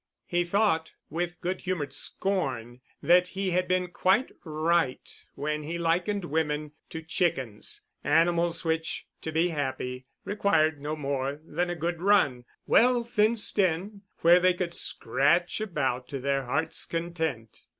He thought, with good humoured scorn, that he had been quite right when he likened women to chickens, animals which, to be happy, required no more than a good run, well fenced in, where they could scratch about to their heart's content.